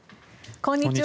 こんにちは。